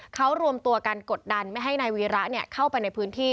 เขารวมตัวกันกดดันไม่ให้นายวีระเข้าไปในพื้นที่